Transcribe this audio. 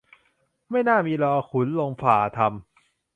ไม่น่ามี รอขุนลุงฟ่าทำ